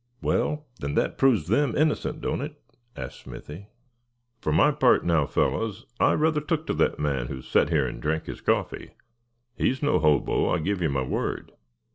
"Well, then, that proves them innocent, don't it?" asked Smithy. "For my part now, fellows, I rather took to that man who sat here, and drank his coffee. He's no hobo, I give you my word.